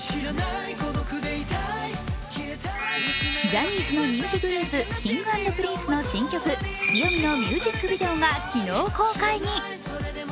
ジャニーズの人気グループＫｉｎｇ＆Ｐｒｉｎｃｅの新曲「ツキヨミ」のミュージックビデオが昨日、公開に。